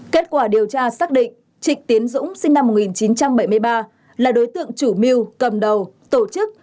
kết quả điều tra xác định trịnh tiến dũng sinh năm một nghìn chín trăm bảy mươi ba là đối tượng chủ mưu cầm đầu tổ chức